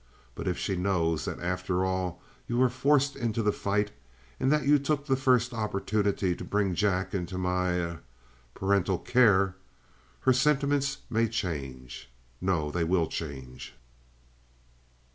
But if she knows that after all you were forced into the fight, and that you took the first opportunity to bring Jack into my er paternal care her sentiments may change. No, they will change."